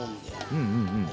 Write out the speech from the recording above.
うんうんうん。